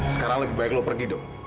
sekarang lebih baik lo pergi dong